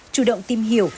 chủ động tìm hiểu